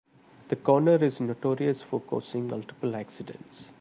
The corner is notorious for causing multiple accidents.